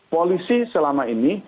polisi selama ini